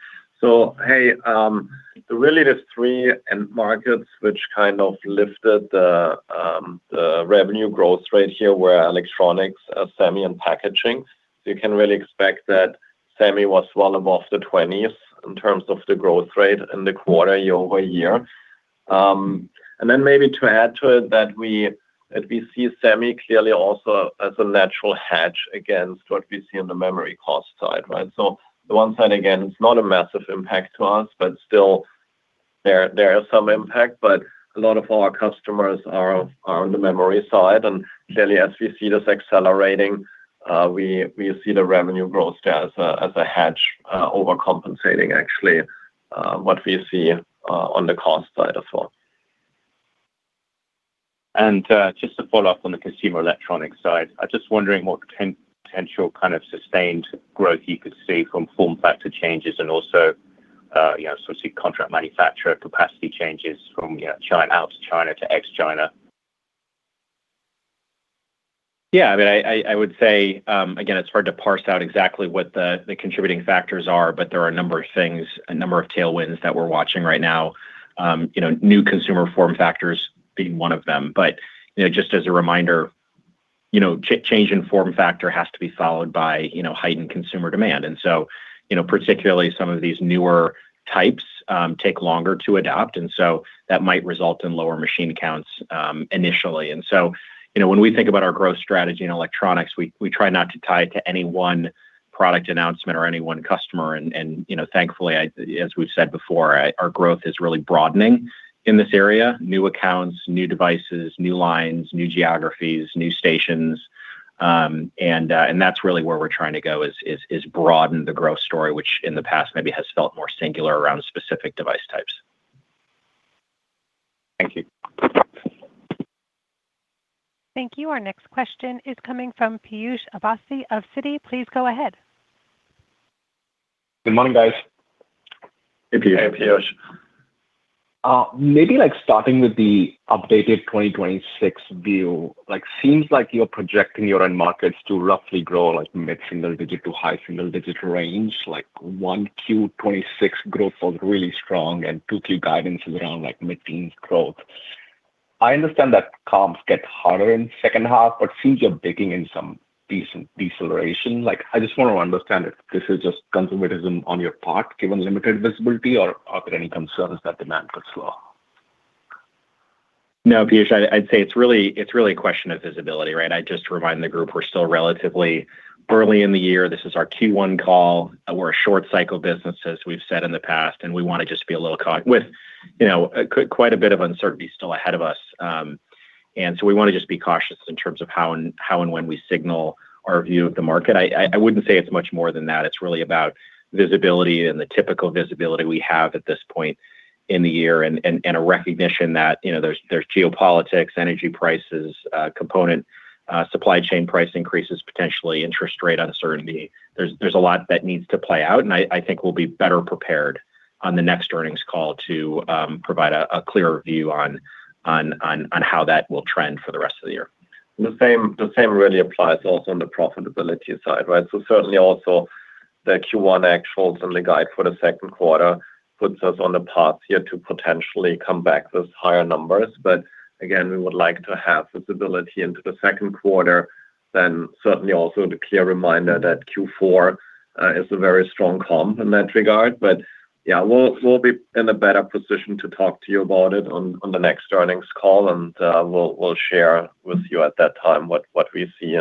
really the three end markets which kind of lifted the revenue growth rate here were electronics, Semi and packaging. You can really expect that Semi was well above the 20% in terms of the growth rate in the quarter year-over-year. Maybe to add to it that we see Semi clearly also as a natural hedge against what we see on the memory cost side. On one side, again, it's not a massive impact to us, but still there is some impact, but a lot of our customers are on the memory side. Clearly as we see this accelerating, we see the revenue growth there as a hedge overcompensating actually what we see on the cost side as well. Just to follow up on the consumer electronic side, I'm just wondering what potential kind of sustained growth you could see from form factor changes and also, you know, sort of see contract manufacturer capacity changes from, you know, out of China to ex-China. I mean, I, I would say, again, it's hard to parse out exactly what the contributing factors are. There are a number of things, a number of tailwinds that we're watching right now, you know, new consumer form factors being one of them. You know, just as a reminder, you know, change in form factor has to be followed by, you know, heightened consumer demand. You know, particularly some of these newer types take longer to adopt, and so that might result in lower machine counts initially. You know, when we think about our growth strategy in electronics, we try not to tie it to any one product announcement or any one customer. You know, thankfully, as we've said before, our growth is really broadening in this area. New accounts, new devices, new lines, new geographies, new stations. That's really where we're trying to go, is broaden the growth story, which in the past maybe has felt more singular around specific device types. Thank you. Thank you. Our next question is coming from Piyush Avasthy of Citi. Please go ahead. Good morning, guys. Hey, Piyush. Hey, Piyush. Maybe like starting with the updated 2026 view, like, seems like you're projecting your end markets to roughly grow like mid-single digit% to high single digit% range, like 1Q 2026 growth was really strong and two key guidances around like mid-teens% growth. I understand that comps get harder in second half, but seems you're baking in some decent deceleration. Like, I just wanna understand if this is just conservatism on your part given limited visibility or are there any concerns that demand could slow? No, Piyush, I'd say it's really a question of visibility, right? I just remind the group we're still relatively early in the year. This is our Q1 call. We're a short cycle business, as we've said in the past, and we wanna just be a little cau- with, you know, quite a bit of uncertainty still ahead of us. We wanna just be cautious in terms of how and when we signal our view of the market. I wouldn't say it's much more than that. It's really about visibility and the typical visibility we have at this point in the year and a recognition that, you know, there's geopolitics, energy prices, component, supply chain price increases, potentially interest rate uncertainty. There's a lot that needs to play out, and I think we'll be better prepared on the next earnings call to provide a clearer view on how that will trend for the rest of the year. The same really applies also on the profitability side, right? Certainly also the Q1 actuals and the guide for the second quarter puts us on the path here to potentially come back with higher numbers. Again, we would like to have visibility into the second quarter, certainly also the clear reminder that Q4 is a very strong comp in that regard. Yeah, we'll be in a better position to talk to you about it on the next earnings call, and we'll share with you at that time what we see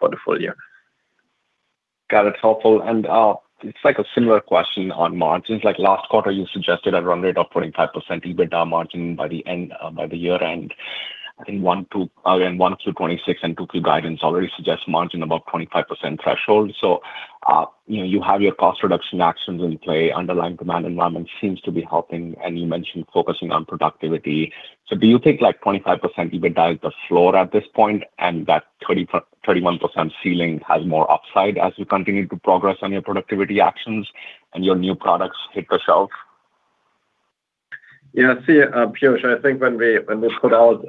for the full year. Got it. Helpful. It's like a similar question on margins. Last quarter you suggested a run rate of 25% EBITDA margin by the end by the year end. I think again, 1 to 26 and 2Q guidance already suggests margin above 25% threshold. You know, you have your cost reduction actions in play, underlying demand environment seems to be helping, and you mentioned focusing on productivity. Do you think like 25% EBITDA is the floor at this point, and that 21% ceiling has more upside as you continue to progress on your productivity actions and your new products hit the shelf? Yeah. See, Piyush, I think when we put out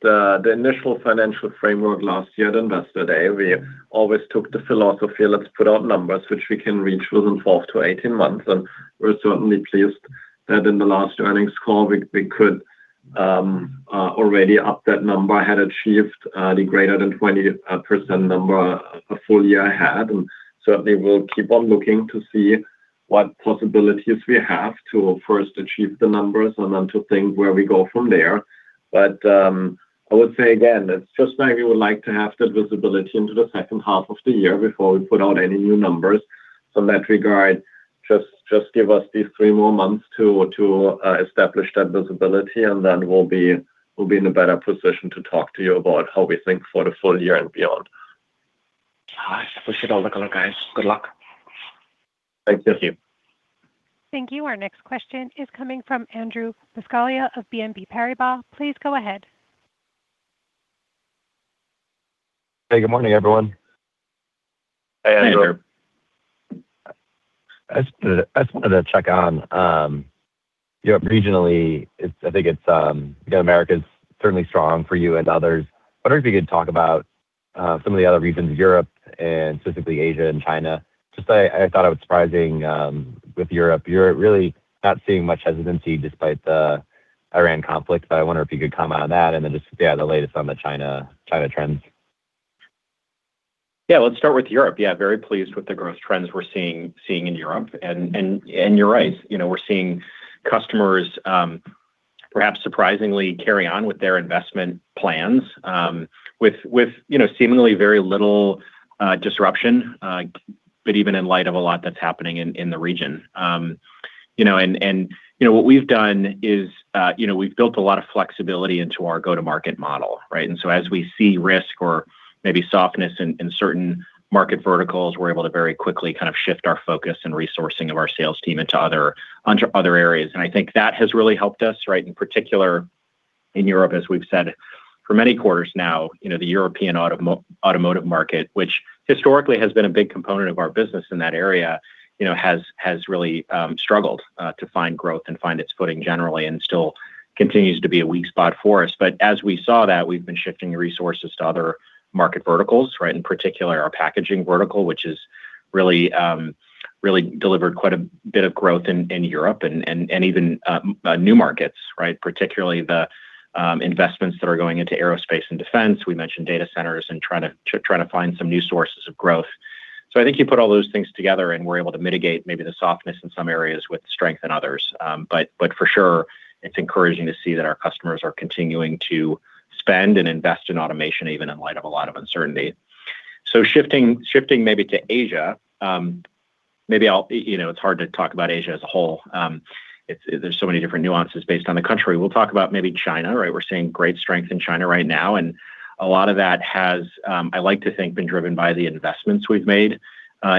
the initial financial framework last year at Investor Day, we always took the philosophy of let's put out numbers which we can reach within 12 to 18 months. We're certainly pleased that in the last earnings call, we could already up that number, had achieved the greater than 20% number full year ahead. Certainly we'll keep on looking to see what possibilities we have to first achieve the numbers and then to think where we go from there. I would say again, it's just like we would like to have that visibility into the second half of the year before we put out any new numbers. From that regard, just give us these three more months to establish that visibility. Then we'll be in a better position to talk to you about how we think for the full year and beyond. I appreciate all the color, guys. Good luck. Thank you. Thank you. Thank you. Our next question is coming from Andrew Buscaglia of BNP Paribas. Please go ahead. Hey, good morning, everyone. Hey, Andrew. Hey, Andrew. I just wanted to check on, you know, regionally, I think it's, you know, America's certainly strong for you and others. I wonder if you could talk about some of the other regions, Europe and specifically Asia and China. I thought it was surprising with Europe. You're really not seeing much hesitancy despite the Iran conflict. I wonder if you could comment on that and then just, yeah, the latest on the China trends. Let's start with Europe. Very pleased with the growth trends we're seeing in Europe. You're right, you know, we're seeing customers, perhaps surprisingly carry on with their investment plans, with, you know, seemingly very little disruption, even in light of a lot that's happening in the region. You know, what we've done is, you know, we've built a lot of flexibility into our go-to-market model, right? As we see risk or maybe softness in certain market verticals, we're able to very quickly kind of shift our focus and resourcing of our sales team onto other areas. I think that has really helped us, right? In particular in Europe, as we've said for many quarters now, you know, the European automotive market, which historically has been a big component of our business in that area, you know, has really struggled to find growth and find its footing generally and still continues to be a weak spot for us. As we saw that, we've been shifting resources to other market verticals, right? In particular, our packaging vertical, which has really delivered quite a bit of growth in Europe and even new markets, right? Particularly the investments that are going into aerospace and defense. We mentioned data centers and trying to find some new sources of growth. I think you put all those things together, and we're able to mitigate maybe the softness in some areas with strength in others. For sure, it's encouraging to see that our customers are continuing to spend and invest in automation, even in light of a lot of uncertainty. Shifting maybe to Asia, you know, it's hard to talk about Asia as a whole. It's there's so many different nuances based on the country. We'll talk about maybe China, right? We're seeing great strength in China right now, and a lot of that has, I like to think been driven by the investments we've made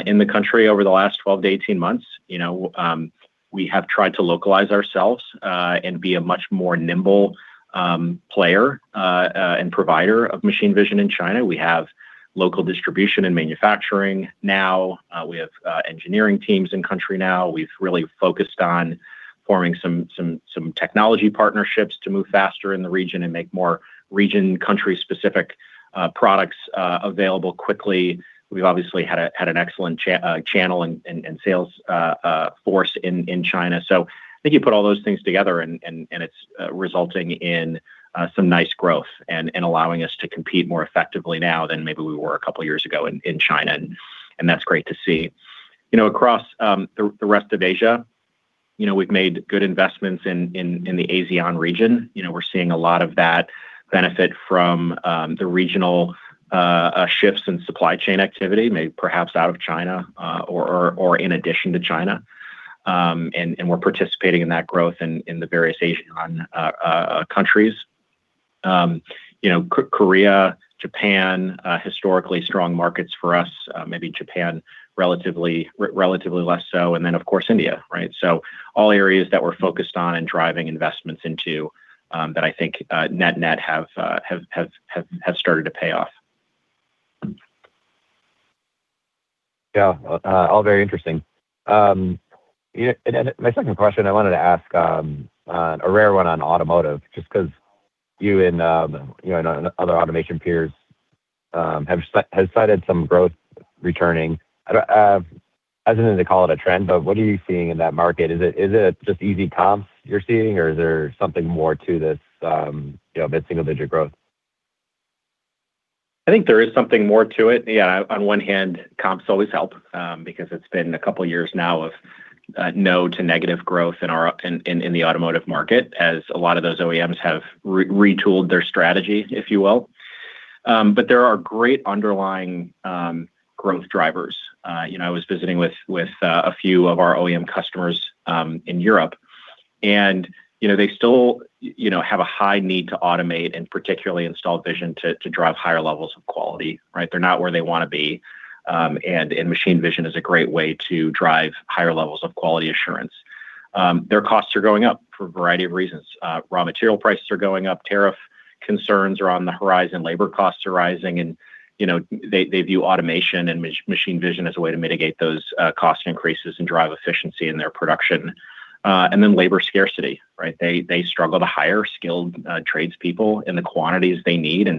in the country over the last 12 to 18 months. You know, we have tried to localize ourselves and be a much more nimble player and provider of machine vision in China. We have local distribution and manufacturing now. We have engineering teams in country now. We've really focused on forming some technology partnerships to move faster in the region and make more region-country-specific products available quickly. We've obviously had an excellent channel and sales force in China. I think you put all those things together and it's resulting in some nice growth and allowing us to compete more effectively now than maybe we were a couple years ago in China, and that's great to see. You know, across the rest of Asia, you know, we've made good investments in the ASEAN region. You know, we're seeing a lot of that benefit from the regional shifts in supply chain activity, perhaps out of China or in addition to China. We're participating in that growth in the various Asian countries. You know, Korea, Japan, historically strong markets for us, maybe Japan relatively less so, and then of course, India, right? All areas that we're focused on and driving investments into, that I think net-net have started to pay off. Yeah. All very interesting. You know, my second question I wanted to ask, a rare one on automotive, just 'cause you and, you know, and other automation peers, have cited some growth returning. I don't know if they call it a trend, but what are you seeing in that market? Is it just easy comps you're seeing or is there something more to this, you know, mid-single digit growth? I think there is something more to it. Yeah, on one hand, comps always help, because it's been two years now of no to negative growth in the automotive market, as a lot of those OEMs have retooled their strategy, if you will. There are great underlying growth drivers. You know, I was visiting with a few of our OEM customers in Europe, and, you know, they still, you know, have a high need to automate and particularly install vision to drive higher levels of quality, right? They're not where they wanna be, and machine vision is a great way to drive higher levels of quality assurance. Their costs are going up for a variety of reasons. Raw material prices are going up, tariff concerns are on the horizon, labor costs are rising, and, you know, they view automation and machine vision as a way to mitigate those cost increases and drive efficiency in their production. Labor scarcity, right? They, they struggle to hire skilled tradespeople in the quantities they need.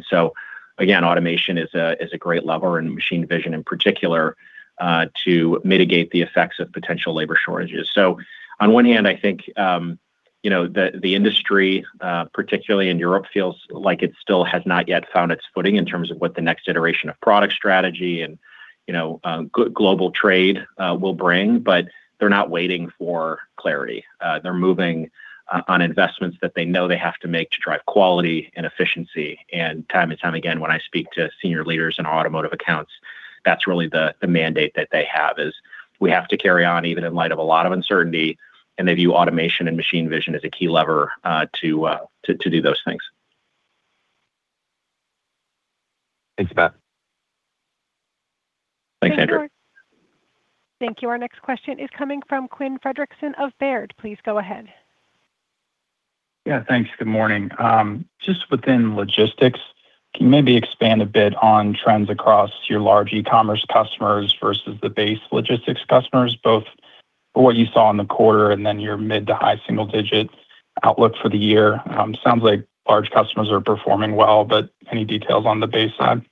Again, automation is a great lever, and machine vision in particular, to mitigate the effects of potential labor shortages. On one hand, I think, you know, the industry, particularly in Europe, feels like it still has not yet found its footing in terms of what the next iteration of product strategy and, you know, global trade will bring. They're not waiting for clarity. They're moving on investments that they know they have to make to drive quality and efficiency. Time and time again, when I speak to senior leaders in automotive accounts, that's really the mandate that they have, is we have to carry on, even in light of a lot of uncertainty, and they view automation and machine vision as a key lever to do those things. Thanks, Matt. Thanks, Andrew. Thank you. Our next question is coming from Quinn Frederickson of Baird. Please go ahead. Yeah, thanks. Good morning. Just within logistics, can you maybe expand a bit on trends across your large e-commerce customers versus the base logistics customers, both for what you saw in the quarter and then your mid to high single-digit outlook for the year? Sounds like large customers are performing well, but any details on the base side?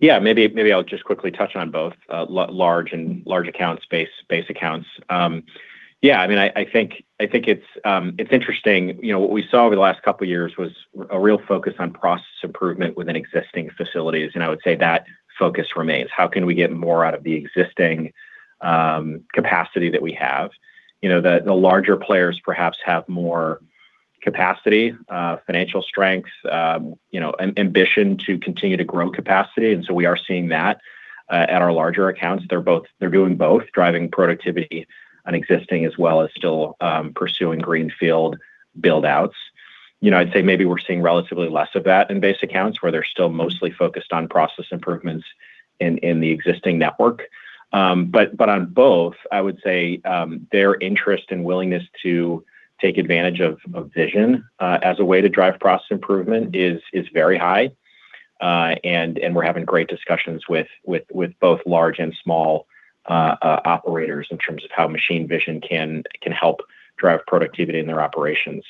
Maybe, maybe I'll just quickly touch on both, large and large account space, base accounts. I mean, I think, I think it's interesting. You know, what we saw over the last couple years was a real focus on process improvement within existing facilities, and I would say that focus remains. How can we get more out of the existing capacity that we have? You know, the larger players perhaps have more capacity, financial strength, you know, ambition to continue to grow capacity, and so we are seeing that at our larger accounts. They're doing both, driving productivity on existing as well as still pursuing greenfield build-outs. You know, I'd say maybe we're seeing relatively less of that in base accounts, where they're still mostly focused on process improvements in the existing network. On both, I would say, their interest and willingness to take advantage of vision as a way to drive process improvement is very high. We're having great discussions with both large and small operators in terms of how machine vision can help drive productivity in their operations.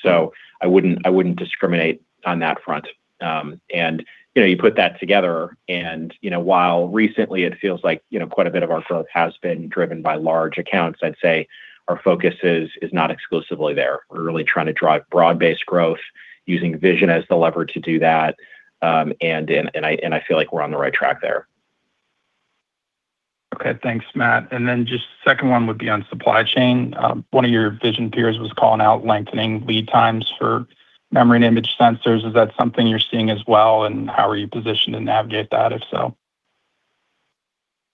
I wouldn't discriminate on that front. You know, you put that together and, you know, while recently it feels like, you know, quite a bit of our growth has been driven by large accounts, I'd say our focus is not exclusively there. We're really trying to drive broad-based growth using vision as the lever to do that, and I feel like we're on the right track there. Okay, thanks, Matt. Just second one would be on supply chain. One of your vision peers was calling out lengthening lead times for memory and image sensors. Is that something you're seeing as well, and how are you positioned to navigate that, if so?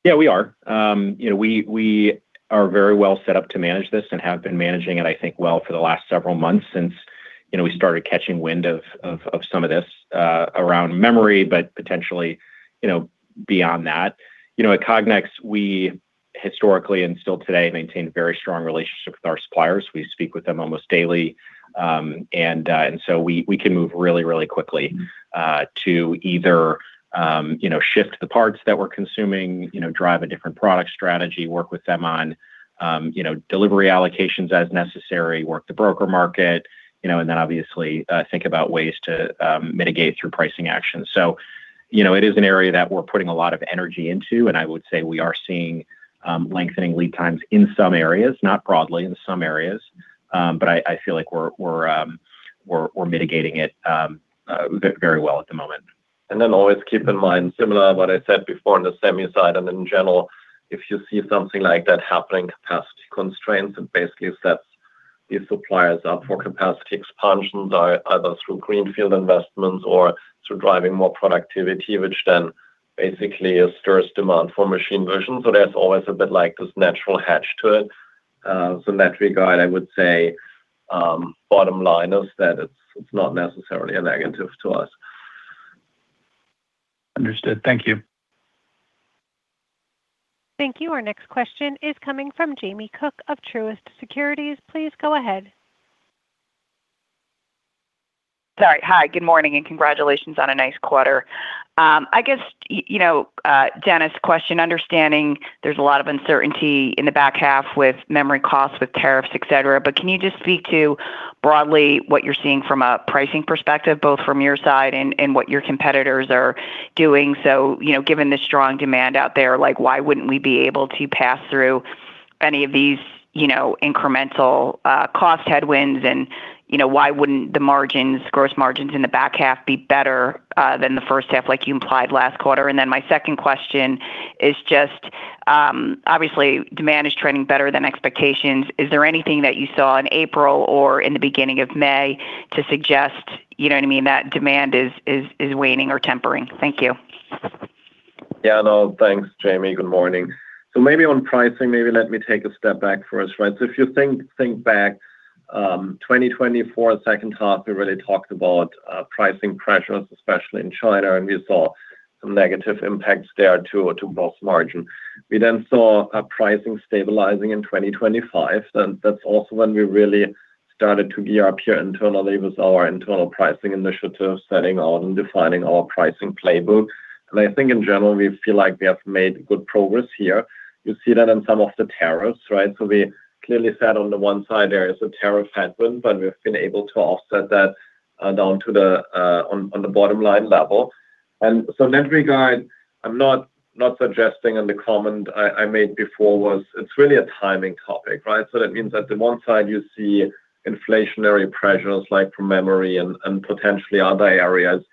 We are. You know, we are very well set up to manage this and have been managing it, I think, well for the last several months since, you know, we started catching wind of some of this around memory, but potentially, you know, beyond that. You know, at Cognex, we historically and still today maintain very strong relationships with our suppliers. We speak with them almost daily. We can move really, really quickly to either, you know, shift the parts that we're consuming, you know, drive a different product strategy, work with them on, you know, delivery allocations as necessary, work the broker market, you know, then obviously, think about ways to mitigate through pricing actions. You know, it is an area that we're putting a lot of energy into, and I would say we are seeing, lengthening lead times in some areas, not broadly, in some areas. But I feel like we're mitigating it, very well at the moment. Always keep in mind, similar what I said before on the semi side and in general, if you see something like that happening, capacity constraints, it basically sets these suppliers up for capacity expansion, either through greenfield investments or through driving more productivity, which then basically stirs demand for machine vision. There's always a bit like this natural hedge to it. In that regard, I would say, bottom line is that it's not necessarily a negative to us. Understood. Thank you. Thank you. Our next question is coming from Jamie Cook of Truist Securities. Please go ahead. Sorry. Hi, good morning, and congratulations on a nice quarter. I guess, you know, Dennis Fehr, question understanding there's a lot of uncertainty in the back half with memory costs, with tariffs, et cetera, can you just speak to broadly what you're seeing from a pricing perspective, both from your side and what your competitors are doing? You know, given the strong demand out there, like, why wouldn't we be able to pass through any of these, you know, incremental cost headwinds? You know, why wouldn't the margins, gross margins in the back half be better than the first half, like you implied last quarter? My second question is just, obviously demand is trending better than expectations. Is there anything that you saw in April or in the beginning of May to suggest, you know what I mean, that demand is waning or tempering? Thank you. Yeah, no, thanks, Jamie. Good morning. Maybe on pricing, maybe let me take a step back first, right? If you think back, 2024 second half, we really talked about pricing pressures, especially in China, and we saw some negative impacts there to both margin. We then saw pricing stabilizing in 2025, and that's also when we really started to gear up here internally with our internal pricing initiative, setting out and defining our pricing playbook. I think in general, we feel like we have made good progress here. You see that in some of the tariffs, right? We clearly said on the one side there is a tariff headwind, but we've been able to offset that down to the on the bottom line level. In that regard, I'm not suggesting in the comment I made before was it's really a timing topic, right? That means that the one side you see inflationary pressures like from memory and potentially other areas,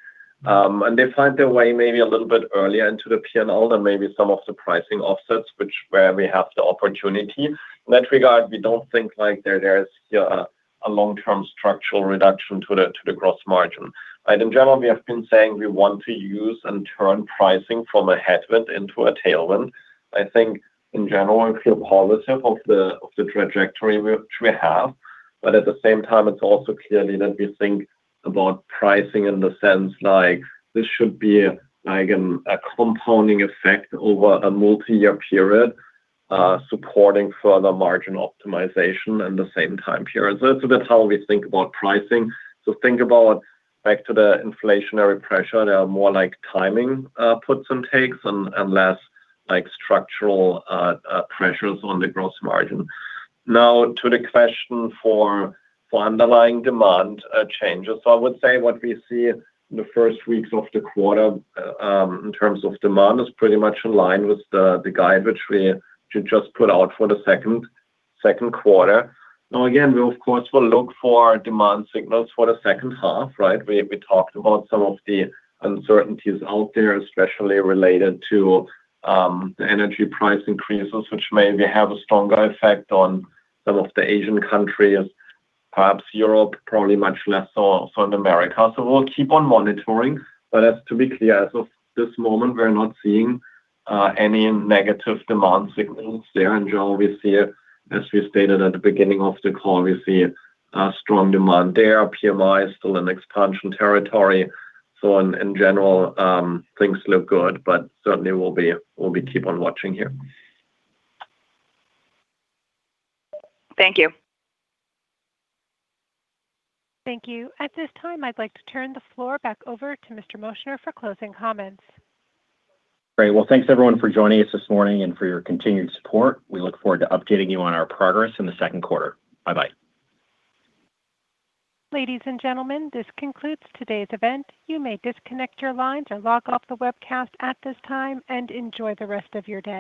and they find their way maybe a little bit earlier into the P&L than maybe some of the pricing offsets which, where we have the opportunity. In that regard, we don't think like there is a long-term structural reduction to the gross margin, right? In general, we have been saying we want to use and turn pricing from a headwind into a tailwind. I think in general, I feel positive of the trajectory which we have. At the same time, it's also clearly that we think about pricing in the sense like this should be a compounding effect over a multi-year period, supporting further margin optimization in the same time period. That's a bit how we think about pricing. Think about back to the inflationary pressure, they are more like timing, puts and takes and less like structural pressures on the gross margin. Now to the question for underlying demand changes. I would say what we see in the first weeks of the quarter, in terms of demand is pretty much in line with the guide which we just put out for the second quarter. Now again, we of course will look for demand signals for the second half, right? We talked about some of the uncertainties out there, especially related to the energy price increases, which maybe have a stronger effect on some of the Asian countries, perhaps Europe, probably much less so for America. We'll keep on monitoring. As to be clear, as of this moment, we're not seeing any negative demand signals there. In general, we see, as we stated at the beginning of the call, we see strong demand there. PMI is still in expansion territory. In general, things look good, but certainly we'll be keep on watching here. Thank you. Thank you. At this time, I'd like to turn the floor back over to Mr. Moschner for closing comments. Great. Well, thanks everyone for joining us this morning and for your continued support. We look forward to updating you on our progress in the second quarter. Bye-bye. Ladies and gentlemen, this concludes today's event. You may disconnect your lines or log off the webcast at this time, and enjoy the rest of your day.